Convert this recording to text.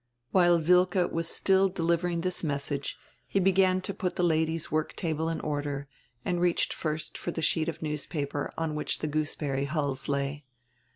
While Wilke was still delivering this message he began to put the ladies' work table in order and reached first for the sheet of newspaper, on which the gooseberry hulls lay.